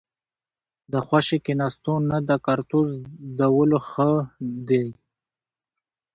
ـ د خوشې کېناستو نه د کرتو زدولو ښه دي.